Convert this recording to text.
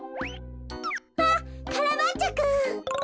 あっカラバッチョくん。